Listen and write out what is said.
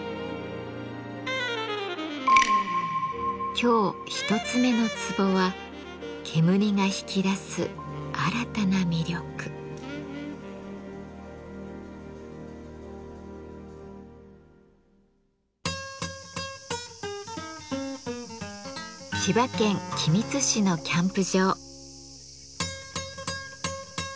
今日一つ目のツボは千葉県君津市のキャンプ場。